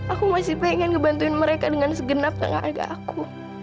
aku masih pengen membantuin mereka dengan segenap tangan agak aku